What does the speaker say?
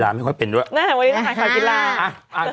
ไม่ค่อยเป็นด้วย